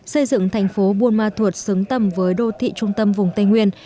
xây dựng thành phố buôn ma thuột xứng tầm với đô thị trung tâm vùng tây nguyên